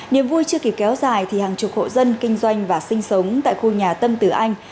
niềm vui chưa kịp kéo dài thì hàng chục hộ dân kinh doanh và sinh sống tại khu nhà tân tử anh